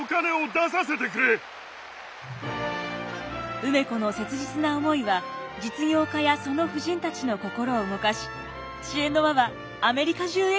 梅子の切実な思いは実業家やその夫人たちの心を動かし支援の輪はアメリカ中へ広がりました。